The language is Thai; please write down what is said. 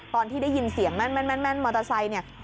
ตอนที่ได้ยินเสียงแม่นมอเตอร์ไซค์เนี่ย